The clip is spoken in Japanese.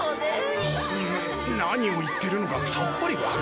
何を言ってるのかさっぱりわからん。